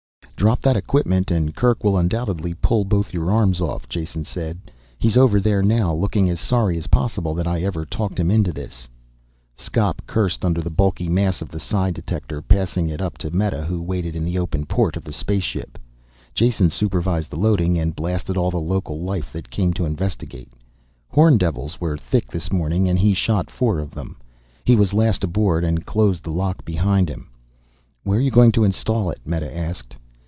"Drop that equipment and Kerk will undoubtedly pull both your arms off," Jason said. "He's over there now, looking as sorry as possible that I ever talked him into this." Skop cursed under the bulky mass of the psi detector, passing it up to Meta who waited in the open port of the spaceship. Jason supervised the loading, and blasted all the local life that came to investigate. Horndevils were thick this morning and he shot four of them. He was last aboard and closed the lock behind him. "Where are you going to install it?" Meta asked.